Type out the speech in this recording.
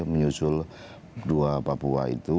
menyusul dua papua itu